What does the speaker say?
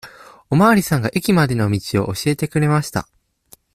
おまわりさんが駅までの道を教えてくれました。